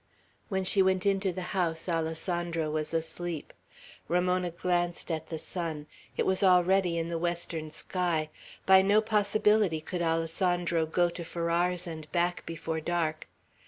When she went into the house, Alessandro was asleep. Ramona glanced at the sun. It was already in the western sky. By no possibility could Alessandro go to Farrar's and back before dark.